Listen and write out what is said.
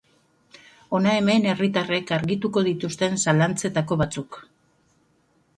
Hona hemen herritarrek argituko dituzten zalantzetako batzuk.